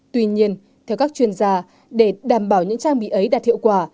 tuy nhiên theo các chuyên gia để đảm bảo những trang bị ấy đạt hiệu quả